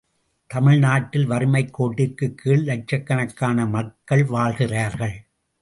தமிழ் நாட்டில் வறுமைக் கோட்டிற்குக் கீழ் லட்சக்கணக்கான மக்கள் வாழ்கிறார்கள்.